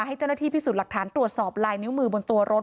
ให้เจ้าหน้าที่พิสูจน์หลักฐานตรวจสอบลายนิ้วมือบนตัวรถ